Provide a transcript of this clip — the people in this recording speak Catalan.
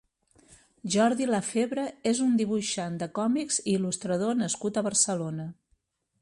Jordi Lafebre és un dibuixant de còmics i il·lustrador nascut a Barcelona.